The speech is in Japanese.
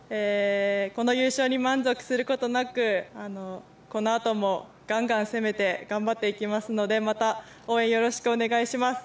この優勝に満足することなくこのあともがんがん攻めて頑張っていきますので、また応援よろしくお願いします。